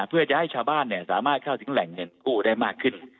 เพื่อจะให้ชาวบ้านสามารถเข้าถึงแหล่งเงินกู้ได้มากขึ้น